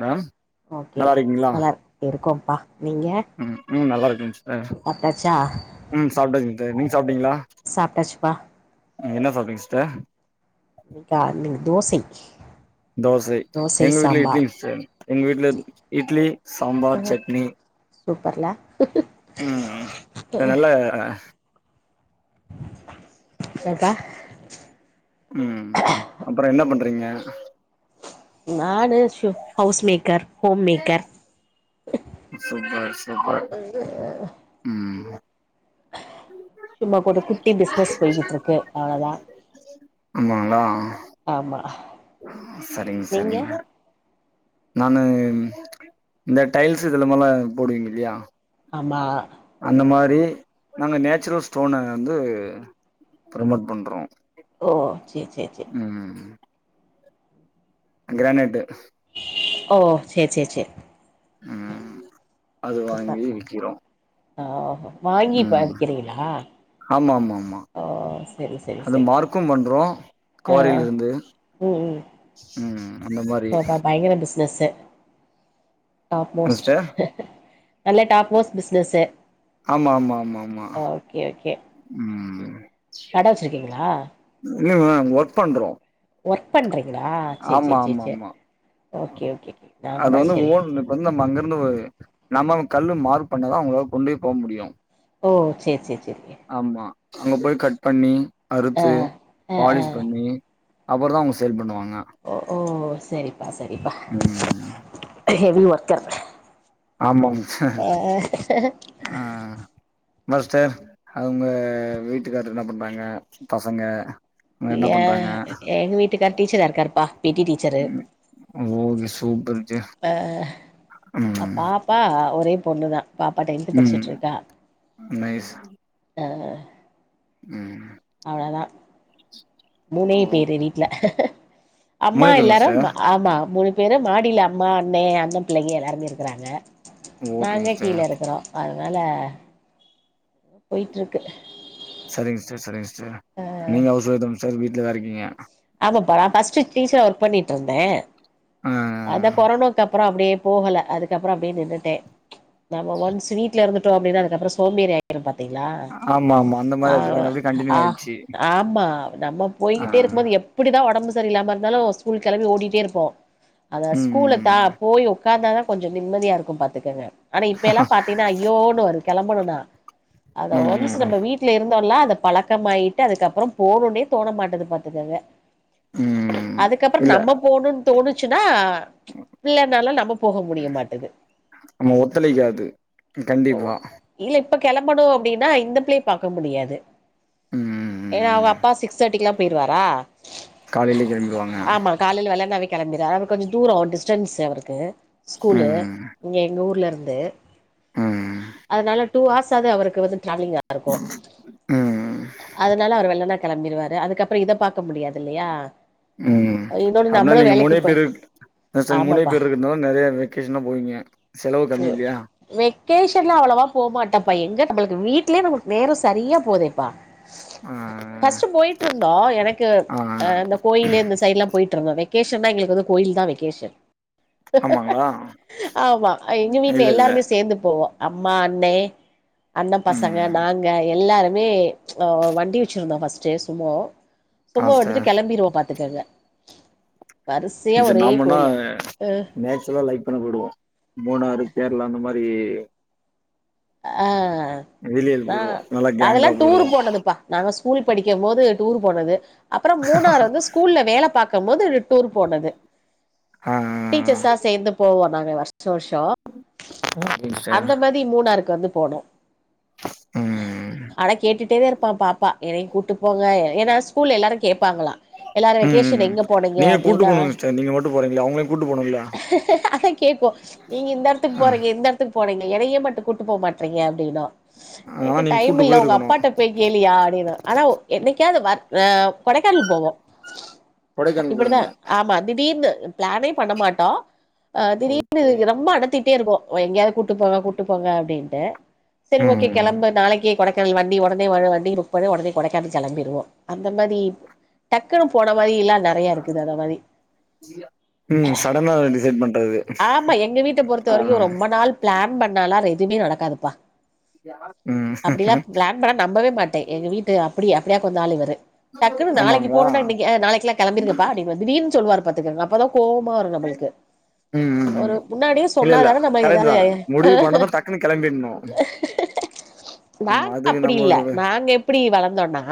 Ma'am okay நல்லா இருக்கோ உம் உம் நல்லா இருக்கேங் சிஸ்டர் சாப்ட்டாச்சா ம் சாப்ட்டாச்சி சிஸ்டர் நீங்க சாப்டிங்களா சாப்ட்டாச்சுப்பா என்ன சாப்டிங்க சிஸ்டர் இன்னைக்கா இன்னக்கி தோசை தோசை எங்க வீட்ல இட்லிங்க சிஸ்டர் எங்க வீட்ல இட்லி சாம்பார் ம் சட்னி சூப்பர்ல உம் நல்ல [inaudible] உம் அப்பறோ என்ன பண்றீங்க நானு chef housemaker homemaker super super ம் சும்மா ஒரு குட்டி பிஸ்னஸ் போய்கிட்டு இருக்கு அவ்ளோதா ஆமாங்களா ஆமா சரிங்க நீங்க சரிங்க நானு இந்த டைல்ஸ் இதுலாமல்லா போடுவீங்க இல்லையா ஆமா அந்த மாரி நாங்க நேச்சுரல் ஸ்டோன வந்து ப்ரமோட் பண்றோ ஓ சேரி சேரி சேரி கிரானைட்டு் ஓ சேரி சேரி சேரி உம் அது வாங்கி விக்கிறோ ஆஹ் வாங்கி இப்ப ம் விக்கிறீங்களா ஆமா ஆமா ஆமா ஓ சரி சரி அது சரி மார்க்கு பண்றோ ஆ குவாரில இருந்து ம் ம் உம் அந்த மாரி பிஸ்னசு டாப் மோஸ்ட் சிஸ்டர் நல்ல டாப் மோஸ்ட் பிசினஸு ஆமா ஆமா ஆமா ஆமா ஓகே ஓகே ம் கட வச்சிருக்கீங்களா இல்ல மேம் ஒர்க் பண்றோ ஒர்க் பண்றீங்களா சேரி ஆமா சேரி சேரி ஆமா சேரி ஆமா ஓகே ஓகே ஓகே நா அது கூட வந்து சேரி ஓன் இப்ப வந்து நம்ம அங்க இருந்து நம்ம கல்லு மார்க் பண்ணதா அவுங்களால கொண்டே போ முடியு ஓ சேரி சேரி சேரி ஆமா அங்க போய் கட் பண்ணி ஆ அறுத்து ஆ ஆ பாலிஷ் பண்ணி அப்பறோ தா அவுங்க சேல் பண்ணுவாங்க ஓ ஓ சரிப்பா சரிப்பா ம் ஹெவி ஒர்க்கர் ஆமாங் ஆ அஹ் மாஸ்டர் அவுங்க வீட்டுக்காரர் என்ன பண்றாங்க பசங்க அவங்க என்ன ஏ பண்றாங்க எங்க வீட்டுக்காரு டீச்சரா இருக்காருப்பா P T teacher okay super ஜெ அ பாப்பா ஒரே பொண்ணுதா பாப்பா டென்த்து ம் பச்சிட்ருக்கா நைஸ் அ ம் அவ்ளதா மூனே ஓ பேரு வீட்ல அம்மா மூணே பேர் எல்லாரு மிஸ்டர் ம ஆமா மூனு பேரு மாடியில அம்மா அண்ணே அண்ண பிள்ளைங்க எல்லாருமே இருக்கறாங்க ஓகேங்க நாங்க மிஸ்டர் கீழே இருக்கறோ அ தனால எதோ போய்ட்ருக்கு சரிங்க சிஸ்ஸர் சரிங்க சிஸ்ஸர் நீங்க ஹவுஸ் வைஃப் தான சிஸ்ஸர் வீட்லதா இருக்கீங்க ஆமாப்பா நா ஃபஸ்ட்டு டீச்சரா ஒர்க் பண்ணிட்ருந்தே ஆ அந்த கொரோனாக்கப்புற அப்டியே போகல அதுக்கப்பறோ அப்டியே நின்னுட்டே நம்ப ஒன்ஸு வீட்ல இருந்துட்டோ அப்டினா அதுக்கப்பறோ சோபேரி ஆயிரும்பா த்தீங்ளா ஆமா ஆமா அந்த மாரி அது ஆமா அப்டியே கண்டினியூ அ ஆயிடுச்சு ஆமா நம்ம ஆ போய்கிட்டே இருக்கும்போது எப்படி டிதா ஒடம்பு செரியில்லாம இருந்தாலு ஸ்கூல் கெளம்பி ஓடிட்டே இருப்போ அத ம் ஸ்கூல தா ம் போயி உக்காந்தாதா கொஞ்சோ நிம்மதியா இருக்கு பாத்துக்கங்க ஆனா இப்ப எல்லா பாத்தீங்னா ஐயோன்னு வரு கெளம்பணுனா அத ம் ஒன்ஸ் ம் ம் நம்ம வீட்ல இருந்தோன்ல்லா இந்த பழக்கமாயிட்டு அதுக்கப்பறோ போகுனே தோண மாட்டது பாத்துக்கங்க ம் அதுக்கப்பறோ இல்ல நம்ம போணுன் தோணுச்சுன்னா இல்லனாலு நம்ப போக முடிய மாட்டுது ஆமா ஒத்துழைக்காது கண்டிப்பா இல்ல இப்ப கெளம்பணு அப்டின்னா இந்த பிள்ளய பாக்க முடியாது ம் ம் ஏன்னா அவுங் ம் அப்பா சிக்ஸ் தேட்டிக்ல்லா போய்ருவாரா காலையிலயே கெளம்பிடுவாங்க ஆமா காலில வெள்ளனவே கெளம்பிற ஆனாலு கொஞ்சு தூரோ டிஸ்டன்ஸு அவருக்கு ஸ்கூலு ம் இங்க எங்க ஊர்ல இருந்து ம் அதனால டூ ஆர்ஸ் ஆது அவருக்கு வந்து ட்ராவ்லிங்கா இருக்கு ம் அதனால அவரு வெள்ளன்னா கெளம்பிருவாரு அதுக்கப்பறோ இத பா க்க முடியாதில்லையா ம் அப்னா நீங்க மூனே போய் பேரு அதா சிஸ்டர் நீங் மூனே ஆமாப்பா பேரு இருக்குத்னால நெறையா வெக்கேஷன்லா போவீங்க செலவு கம்மி இல்லியா அவ்ளவா போமாட்டேபா எங்க நம்மளுக்கு வீட்லே நமக் நேரோ சரியா போதேப்பா ஆ ஃபஸ்டு போய்ட்ருந்தோ என அ ஆ ஆ இந்த கோயிலு இந்த சைட்ல்லா போய்ட்ருந்தோ வெகேஷன்னா எங்களுக்கு வந்து கோயில் தா வெகேஷன் ஆமாங்களா ஆமா எங்க வீட்ல இல்ல இல்ல எல்லாருமே சேந்து போவோ அம்மா அண்ணே அண்ண பசங்க ம் நாங்க எல்லாரு மே ஒ வண்டி வெச்சிருந்தோ ஃபஸ்ட்டு சுமோ ஆ சுமோ சார் எடுத்துட்டு கெளம்பிருவோ பாத்துக்கங்க வரிசையா ஸ்செர் ஒரே நாம்மன்னா கோயிலு அ நேச்சுர்லா லைக் பண்ண போய்டுவோ மூணாறு கேரளா அந்த மா ரி அ வெளியில் ந போயிடுவோ நல்லா அதெல்லா கேங்கா டூரு போயிடுவோ போனதுப்பா நாங்க ஸ் கூல் படிக்கம் போது டூரு போனது அப்புறோ மூணாறு வந்து ஸ்கூல்ல வேல பாக் க்கம் போது டூரு போனது ஆ ஆ டீச்சர்ஸா சேந்து போவோ நாங்க வர் ஷோ வர்ஷோ ஓகேங்க சார் அந்த மாரி மூணாருக்கு வந்து போனோ ம் அஆனா கேட்டிட்டேத இருப்பா பாப்பா எனையு கூட்டு போங்க எ ஏன்னா ஸ்கூல்ல எல்லாரு கேப்பாங்களா எல்லாரு ம் வெக்கேஷன் ம் எங்க போனீங்க நீங்க கூட்டு அப்டீனா போணுங்க சார் நீங்க மட்டு போறீங்களா அவங்களையு கூட்டு போணுல்ல கேக்வா நீங்க இந்த எடத்துக் ஆ போறீங்க இந்த எடத்துக் போனீங்க எனையே மட்டு கூட்டு போ மாட்றீங்க அப்டினா ஆனா எனக்கு நீங்க டைம் கூட்டு இல்ல உங்க போயிருக்கணும் அப்பாட்ட போய் கேளியா அப்டின்னுவ ஆனா ஒ என்னைக்காவ்து வர அ கொடைக்கானல்க் போவோ கொடைக்கானல் இப்பிடிதா போனீங்களா ஆமா தீடீர்னு ப்ளானே பண்ண மாட்டோ அ தீடீர்னு ஓகே ரொம்ப அனத்திட்டே இருக்கு ஒ எங்கயாவ்து கூட்டு போங்க கூட்டு போங்க அப்டின்ட்டு செரி ஓகே ம் கெளம்பு நாளைக்கே கொடைக் கானலு வண்டி ஒடனே வ வண்டி புக் பண்ணி ஒடனே கொடைக்கானல் கெளம்பிடுவோ அந்த மாதி டக்குனு போனா கோயில்லா நெறையா இருக்குது அந்த மாதி ம் சடனா டிசைட் பண்றது ஆமா எங்க வீட்ட பொறுத்த ஆ வரிக்கு ரொம்ப நாள் ப்ளான் பண்ணா லாரு எதுமே நடக்காதுப்பா ம் அப்டிலா ப்ளான் பண்ணா நம்பவே மாட்டே எங்க வீட்டு அப்டி அப்டியா கொந்தா ஆளு இவரு டக்குனு நாளக்கு ஆமாங்களா போனுனா இன்னக்கி அ நாளக்குளா கெளம்பீருங்குப்பா அப்டினு வந்து திடீர்னு சொல்லுவாரு பாத்துக்கங்க அப்பதா கோவ்மா வரு நம்ளுக்கு ம் ம் ஒரு ம் முன்னாடியே இல்ல இல்ல சொன்னாதானே நம்ம கரெக்ட் ஏதாது தான் முடிவு பண்ணதும் டக்குன்னு கெளம்பிட்ணு ஆமா நாங்க அதுக்கு அப்டி நம்ம இல்ல ஒரு நாங்க எப்டி வளந்தோனா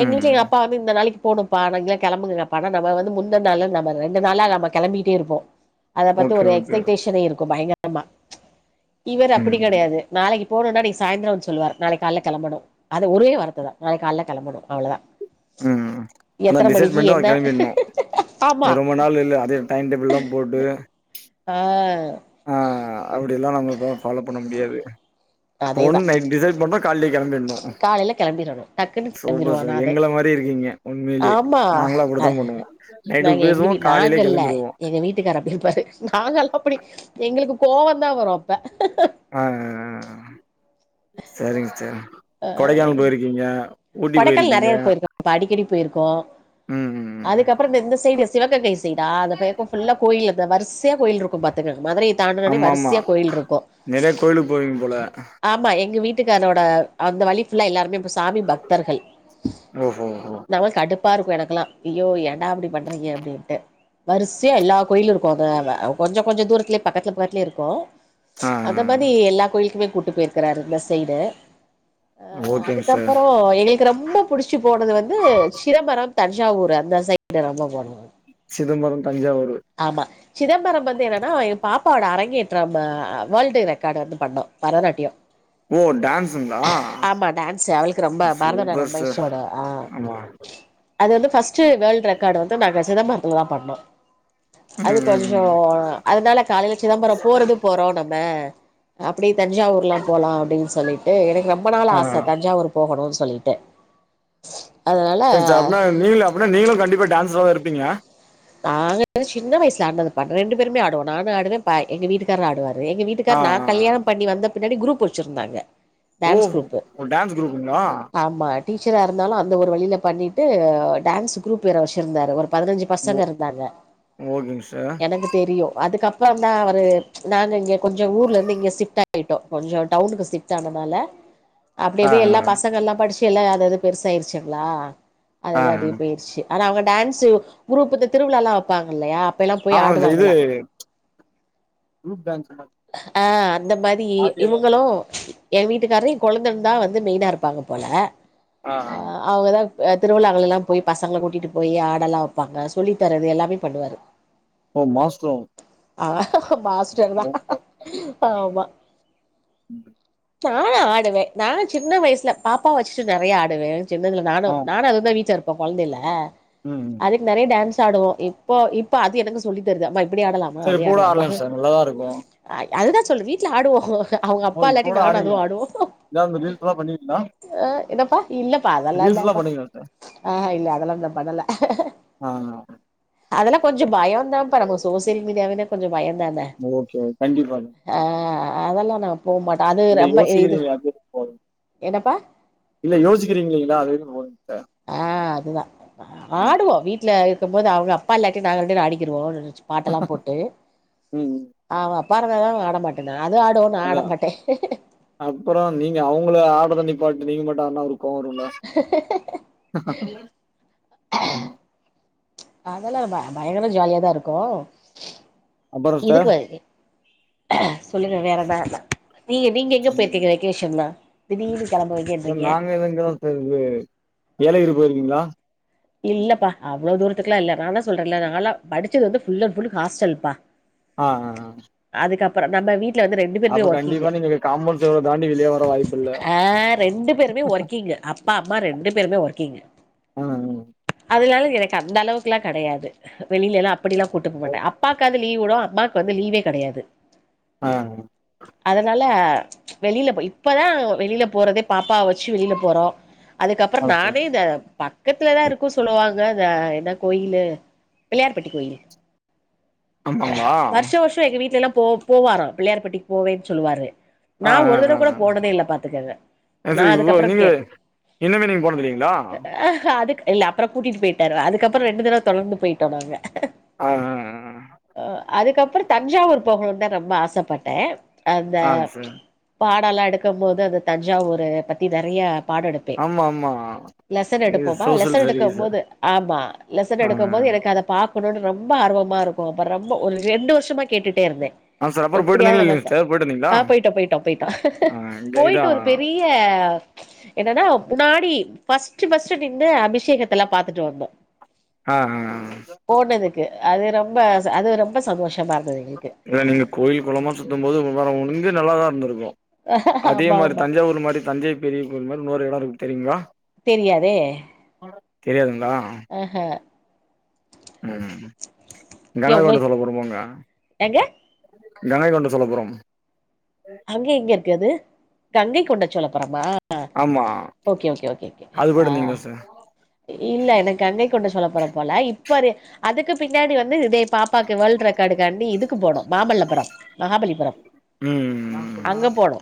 எங்க ம் வீட்ல எங்க அப்பா வந்து இந் த நாளைக்கி போனும்ப்பா கெளம்புங்கங்கப்பானா நம்ம வந்து முந்துன்ன நாள் நம்ம ரெண்டு நாளா நம்ம கெளம்பிக்கிட்டே இருப்போ அத பத்தி ஓகே ஒரு ஓகே எக்ஸ்பெக்ட்டேஷனே இருக்கு பயங்கரமா இவரு ம் அப்டி கெடையாது நாளைக்ப் போனும்னா இன்னைக்கி சாயந்தர வந்து சொல்லுவாரு நாளைக்கு காலைல கெளம்பணு அது ஒரே வார்த்ததா நாளைக்கு காலைல கிளம்புனு அவ்ளோதா ம் அதா எத்தன டிசைட் மணிக்கு பண்ட என்ன கெளம்பிணு ஆமா ரொம்ப நாள் இல்ல அதே டைம் டேபிள்லா போட்டு ஆ ஆஹ் அப்டி எல்லா நம்ம ஃபாலோ பண்ண முடியாது போனு அதேதா நைட் டிசைட் பண்ணா கால்லையே கிளம்பிணு காலைல கெளம்பிறணு டக்குனு கெளம்பிருஓ சார் நானு எங்கள மாரி இருக்கீங்க உண்மையிலே ஆமா நாங்களு அப்படித்தா பண்ணுவோ நைட்டு நாங்க எங்க பேசுவோ வீ காலையிலே நாங்கள்ல கெளம்பிடுவோ எங்க வீட்டுக்கார அப்டி இருப்பாரு நாங்கல்லா அப்டி எங்ளுக்கு கோவந்தா வரு அப்ப ஆஹ் ஹ் ஹ் செரிங் செரிங் கொடைக்கானல் போயிருக்கீங்க ஊட்டி கொடைக்கானல் போயிருக்கீங்க நெறைய போயிருக்கோபா அடிக்கடி போயிருக்கோ ம் ம் ம் அதுக்கப்றோ இந்த இந்த சைடு சிவகங்கை தா ஆ அந்த பக்க ஃபுல்லா கோயில் தா வரிசையா கோயில் இருக்கு பாத்துக்குங் மதுரைய தாண்டூனோனே ஆமா ஆமா வரிசையா கோயில் இருக்கு நெறைய கோயிலுக்கு போவீங்க போல ஆமா எங்க வீட்டுகாரயோட அந்த வழி ஃபுல்லா எல்லாருமே இப்ப சா தர்கள் ஓஹோ ஹோ நமக் கடுப் பாருக்கு எனக்கெலா அய்யோ ஏன்டா இப்டி பண்றீங்க அப்டின்ட்டு வரிசயா எல்லா கோயிலு இருக்கு அத அந்த கொஞ்சோ கொஞ்சோ தூரத்துல பக்கத்துல பக்கத்துலேயே இருக்கு ஆ அந்த ஆ ஆ. மாரி எல்லா கோயிலுக்குமே கூட்டு போயிருக்கிறாரு இந்த சைய்டு அஹ் ஓகேங்க சார் அதுக்கப்றோ எங்களுக்கு ரொம்ப புடிச்சி போனது வந்து சிதம்பரம் தஞ்சாவூர் அந்த சைடு ரொம்ப சிதம்பரம் தஞ்சாவூரு ஆமா சிதம்பரம் வந்து என்னன்னா எ பாப்பாவோட அரங்கேற்றம் வேர்ல்டு ரெக்கார்டு வந்து பண்ணோ பரதநாட்டியம் ஓ டான்ஸுங்களா ஆமா டான்ஸ் அவளுக்கு ரொம்ப பரதனா சூப்பர் நம்ப சார் இஷ்டோ அ ஆமா அது வந்து பஃர்ஸ்டு வேர்ல்ட் ரெக்கார்டு வந்து நாங்க சிதம்பரதுல தா பண்ணோ ம் அது ம் கொஞ்சோ ம் அதனால காலைல சிதம்பரம் போறது போறோ நம்ம அப்டி தஞ்சாவூர்லா போலா அப்டின்னு சொல்லிட்டு எனக்கு ரொம்ப நாள் ஆ ஆச தஞ்சாவூர் போகணு சொல்லிட்டு செரி சா அப்பனா நீங்களு அப்பனா நீங்களு கண்டிப்பா டான்ஸ்ரதா இருப்பீங்க அ நாங்க சின்ன வயசுல ஆட்னதுப்பா ரெண்டு பேருமே ஆடுவோ நானு ஆடுவே பா எங்க வீட்டுக்காரு ஆடுவாரு எங்க ஆ வீட்டுக்காரரு நா ஆ ஆ. கல்யாண பண்ணி வந்த பின்னாடி குரூப் வச்சிருந்தாங்க டான்ஸ் குரூப்பு ஓ டான்ஸ் குரூப்புங்களா ஆமா டீச்சரா இருந்தாலு அந்த ஒரு வழில பண்ணிட்டு டான்ஸ் குரூப் வேற வச்சுர்ந்தாரு ஒரு பதினெஞ் சு ஓ பசங்க இருந்தாங்க ஓகேங்க சார் எனக்கு தெரியு அதுக்கப் பறோந்தா அவரு நாங்க இங்க கொஞ்சோ ஊர்ல இருந்து இங்க ஷிஃப்ட் ஆயிட்டோ கொஞ்சோ டவுனுக்கு ஷிஃப்ட் ஆனனால அப்டி ஆ அப்டியே ஆ எல்லா பசங்கள் எல்லா படிச்சு எல்லா அத அது பெருசாயிருச்சுங்ளா ஆ அதது அப்டியே பேய்ருச்சு ஆனா அவங்க டான்சு குரூப்புக்கு திருவிழாலா வப்பாங்க இல்லையா அப்பெல்லா போய் ஆமாமா இது ஆடுவாங்களா ச் குரூப் டான்சு ஹ அந்த மாரி இவங்களு எ வீட்டுக்காரு எ கொழந்தந்தா வந்து மெயினா இருப்பாங்க போல ஆஹ் ஆஹ் திருவிழாங்கல எல்லா போய் பசங்கள கூட்டிட்டு போய் ஆடெல்லா வப்பாங்க சொல்லி தரது எல்லாமே பண்ணுவாரு ஓ மாஸ்ட்ரோ ஆ ஹ ஹ ஹ மாஸ்டர் தா ஆமா [inaudible] நா ஆடுவே நா சின்ன வயசுல பாப்பாவ வச்சுட்டு நெறயா ஆடுவே சின்னதுல நானு ஆ நானு அது தா வீட்ல இருப்போ கொழந்தைல ம் ம் அதுக்கு நெறய டான்ஸ் ட்டு ஆடுவோ இப்போ இப்ப அது எனக்கு சொல்லி தருது அம்மா இப்டி ஆடலாமா சார் அப்டி இப்ப கூட ஆடலாமா ஆடலாங்க சார் நல்லாதா இருக்கு அ அதுதா சொல் வீட்ல ஆடுவோ ஹ ஹ அவுங்க ஓ அப்பா இப்ப இல்லாட்டி கூட நானு அதுவு ஆடுவீங்க ஆடுவோ இதா இந்த ரீல்ஸ்லா பண்ணுவீங்களா ஆ என்னப்பா இல்லப்பா அதெல்லா ரீல்ஸ்லா இல்லப்பா பண்ணுவீங்களா சார் ஆ இல்ல அதெல்லா நா பண்ணல ஆ அதெல்லா கொஞ்ச பயதாப்பா நம்ம சோசியல் மீடியாவனா கொஞ்ச பய தானே ஓகே கண்டிப்பா ஆ அதெல்லா நா போ மாட்டே அது ங்க ரொம்ப இது யோசிக்கிறீங்களயா அதுவே போது என்னப்பா இல்ல யோசிக்கிறீங்களயா அதுவே போது ஆ அதுதா ம் ஆடுவோ வீட்ல இருக்கு போது அவுங்க அப்பா இல்லாட்டி நாங்க இரண்டு பேரு ஆடிக்கிருவோ ச் பாட்டெல்லா போட்டு ம் அ அப்பா [unintelligible] ஆட மாட்டேந்தா அதா அப்பறோ நீங்க அவுங்கள ஆட்றதோ நிப் பாட் நீங்க மட்டு ஆடுனா அவருக்கு கோவ வருல ஆ ஆ ஆ ம் ச் அதெல்லா லா ப பயங்கர ஜாலியாதா இருக்கு அப்புறோ சார் இதுக்கு வ சொல்லுங்க வேறென்ன நீங்க நீங்க எங்க போயிருக்கீங்க வெகேஷ நா திடீனு கிளம்ப வங்கன்றீங்க ஏழையுர் போயிருக்கீங்ளா இல்லப்பா அவ்வளவு தூரத்துக்குலா இல்ல நா தா சொல்றேல நாலா படிச்சது வந்து புஃல் அண்ட் புல்லு ஹாஸ்டல்பா ஆ ஆ ஆ ப்பறோ நம்ம வீட் ட்ல வந்து ரெண்டு பேருமே அப்ப ஒர்க்கிங்கு கண்டிப்பா நீங்க காம்பவுண்ட் செவுர தாண்டி வெளிய வர வாய்ப்பில்ல ஆ ரெண்டு பேருமே ஒர்க்கிங்கு அப்பா அம்மா ரெண்டு பேருமே ஒர்க்கிங்கு ஆ ஆ அதுனால எனக்கு அந்த அளவுக்குல்லா கெடையாது வெளியில எல்லா அப்படிலா கூட்டு போ மாட்டே ஆ அப்பாக்கந் ப்ப லீவ் விடோ அம்மாக்கு வந்து லீவே கிடையாது ஆ ஆ அதனால வெளில போ இப்பதா வெளில போறதே பாப்பாவ வச்சு வெளில போறோ ஆ அதுக்கப்புறம் சார் நானே இந்த பக்கத்துல தா இருக்கு ஸ்லோ பாங்க ந்த என்ன கோயிலு பிள்ளையார்பட்டி கோயிலு ஆமாங்களா வருஷம் வருஷம் எங்க வீட்ல எல்லா போ போவாரா பிள்ளையார்பட்டிக்கு போவேன்னு சொல்லுவாரு நா ஆ ஆ ஒரு தடவ ஆ கூட ஆ போனதே இல்ல பாத்துக்குங்க ஆ நா சார் இவ்ளோ அதுக்கப்புற நீங்க கே இன்னுமே நீங்க போனது இல்லைங்களா அஹ அதுக் இல்ல அப்புற கூட்டிட்டு போயிடாரு அதுக்கப்புற ரெண்டு தடவ தொடர்ந்து போயிட்டோ நாங்க ஆ ஆ ஆ ஆ அதுக்கப்பற தஞ்சாவூர் போகணுணு தா ரொம்ப ஆசப்பட்டே அந்த ஆ சார் பாட் டலா எடுக்கம் போது அந்த தஞ்சாவூர பத்தி நெறய பாட எடுப்பே ஆமா ஆமா லெசன் இது எடுப்போ பா சோசியல் லெசன் எடுக்கம் சர்வீஸ் போது ஆமா லெசன் ஆ ஆ எடுக்கம் போது எனக்கு அதை பா பாக்கணுனு ரொம்ப ஆர்வமா இருக்கு ப ரொம்ப ஒரு ரெண்டு வருஷமா கேட்டுட்டே இருந்தே ஆ சார் அப்புறம் போயிட்டு எப்டியாவது இருந்தீங்களா நம்ம இல்லைங்க த சார் போயிட்டு இருந்தீங்களா ஆ போய்ட்டோ போய்ட்டோ போய்ட்டோ ஹ ஹ ஹ ஆ இங்க போயிட்டு இதான் ஒரு பெரிய அ என்னனா முன்னாடி பஸ்ட்டு பஸ்ட்டு நின்னு அபிஷேகத்த எல்லா பாத்துட்டு வந்தோ ஆ ஆ ஆ போனதுக்கு அது ரொம்ப ச அது ரொம்ப சந்தோஷ இதே நீங்க கோயில் குளமா சுத்தம் போது [unintelligible] வந்து நல்லாதா இருந்துருக்கு அதே ஆமா மாரி ஆமா தஞ்சாவூர் மாரி தஞ்சை பெரிய கோவில் மாரி இன்னொரு எடம் இருக்கு தெரியுங்ளா தெரியாதே தெரியாதுங்களா ஆ ஹ ம் ஏ கங்கை கொண்ட உங்களுக்கு சோழபுரம் போங்க எங்க கங்கை கொண்ட சோழபுரம் அங்க எங்க இருக்கு அது கங்கை கொண்டச் சோழபுரமா ஆமா ஓகே ஓகே ஓகே கே அது ஆ போயிட்டு வந்தீங்களா சார் இல்ல எனக்கு கங்கை கொண்ட சோழபுரம் போல இப்பது அதுக்கு பின்னாடி வந்து இதே பாப்பாக் கு வேர்ல்ட் ரெக்கார்டு காண்டி இதுக்கு போனோ மாமல்லபுரம் மகாபலிபுரம் ம் அங்க போனோ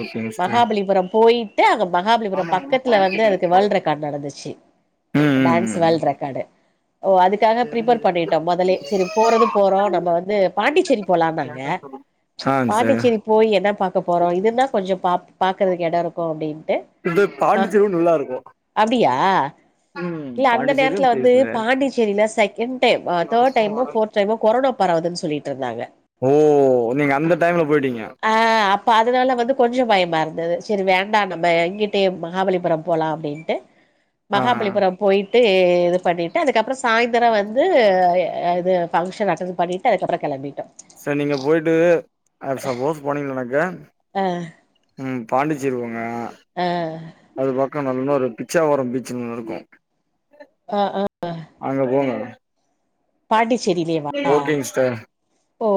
ஓகேங்க சார் மகாபலிபுரம் போயி ட்டு அங்க மகாபலிபுரம் பக்கத்ல வந்து அதுக்கு வேல்ரெக் நடந்துச்சு ம் ம் டான்ஸ் ம் வேர்ல்ட் ரெக்கார்டு ஓ அதுக்காக பிரிபர் பண்ணிட்டோ மொதலே சரி போறது போறோ நம்ம வந்து பாண்டிச்சேரி போலானாங்க ஆ சார் பாண்டிச்சேரி போய் என்னா பாக்க போறோ இதுனா கொஞ்ச பா பாக்கறதுக்கு எடோ இருக்கு அப்டின் இது பாண்டிச்சேரி விட நல்லா இருக்கு அப்டியா இல்ல அந்த நேரத்தில பாண்டிச்சேரியும் வந்து பிளேஸ்ல பாண்டிச்சேரில செகண்ட் டைம் அ தேர்ட் டைமோ ஃபோர் டைமோ கொரோனா பரவுதுன் சொல்லிட்ருந்தாங்க ஓ நீங்க அந்த டைம்ல போயிட்டீங்க ஆ அப்ப அதனால வந்து கொஞ்ச பய மருந்தது சரி வேண்டா நம்ம இங்கிட்டே மகாபலிபுர போலா அப்டின்ட்டு ஆ மகாபலிபுரம் போயி ட்டு இது பண்ணிட்டு அதுக்கப்ற சாயந்தர வந்து இது ஃபங்க்ஷன் அட்டென் பண்ணிட்டு அதுக்கப்புற கெளம்பி சார் நீங்க போயிட்டு அது சப்போஸ் போனீங்கன்னாக்கா ஆ ம் பாண்டிச்சேரி போங்க ஆ அது பக்க நல்ல ஒரு பிச்சாவரம் பீச்னு ஒன்னு இருக்கு அங்க போங்க பாண்டிச்சேரிலேயேவா ஓகேங்க சிஸ்டர் ஓ